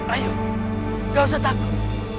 ayo tidak usah takut